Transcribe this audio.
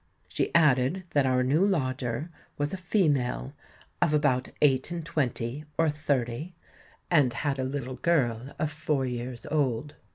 She added that our new lodger was a female of about eight and twenty or thirty, and had a little girl of four years old.